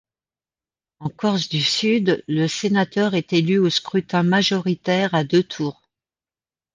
En Corse-du-Sud, le sénateur est élu au scrutin majoritaire à deux tours.